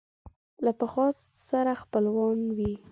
له پخوا سره خپلوان وي